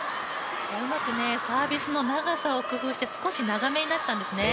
うまくサービスの長さを工夫して、少し長めに出したんですね。